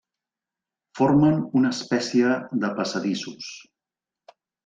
Formen una espècie de passadissos.